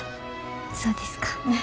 そうですか。